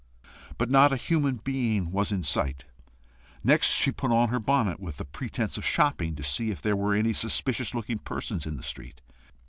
But not a human being was in sight. Next she put on her bonnet, with the pretence of shopping, to see if there were any suspicious looking persons in the street.